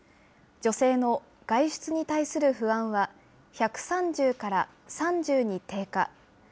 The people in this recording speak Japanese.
女性の外出に対する不安は、１３０から３０に低下。